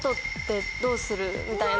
みたいな。